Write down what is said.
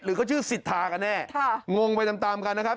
หรือเขาชื่อศิษฐากันแน่งงไปตามกันนะครับ